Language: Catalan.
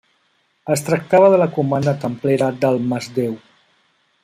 Es tractava de la Comanda templera del Masdéu.